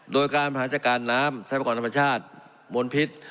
โดยการประหัสจัดการน้ำไซฟะกรธรรมชาติมนตร์พิษ